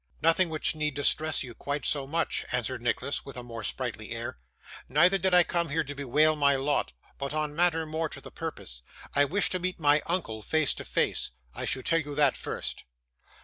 'Nothing which need distress you quite so much,' answered Nicholas, with a more sprightly air; 'neither did I come here to bewail my lot, but on matter more to the purpose. I wish to meet my uncle face to face. I should tell you that first.